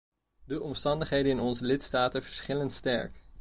De omstandigheden in onze lidstaten verschillen sterk.